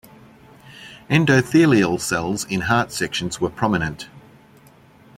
Endothelial cells in heart sections were prominent.